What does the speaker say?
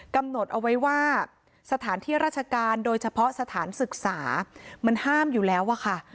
กำหนดเอาไว้ว่าสถานที่ราชการโดยเฉพาะสถานศึกษามันห้ามอยู่แล้วอะค่ะ